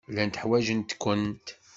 Llant ḥwajent-kent.